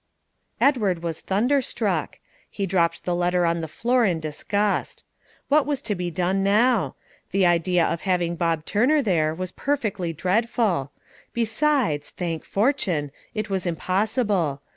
Edward was thunderstruck! he dropped the letter on the floor in disgust. What was to be done now? The idea of having Bob Turner there was perfectly dreadful; besides, thank fortune! it was impossible.